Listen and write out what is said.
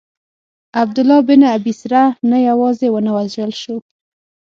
عبدالله بن ابی سرح نه یوازي ونه وژل سو.